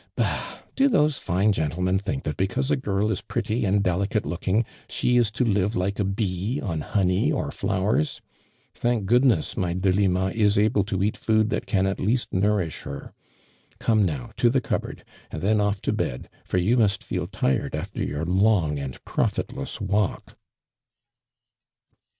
" Bah ! do those fine gentlemen think that because a girl is pretty and delicate looking, she is to live like a bee, on honey 01 flowers ? Thank goodness, my Delima ia able to eat food that can at least nourish her. Come, now, to the cupboard, and then off to bed, for you must feel tired after your long and profitless walk.